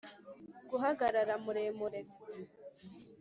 guhagarara muremure.